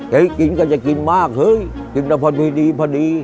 เฮ้ยกินก็อย่ากินมากเฮ้ยกินแต่พอดีพอดี